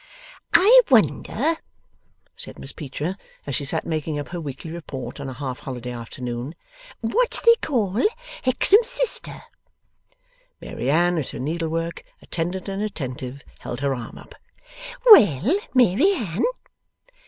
'I wonder,' said Miss Peecher, as she sat making up her weekly report on a half holiday afternoon, 'what they call Hexam's sister?' Mary Anne, at her needlework, attendant and attentive, held her arm up. 'Well, Mary Anne?